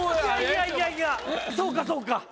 そうかそうか。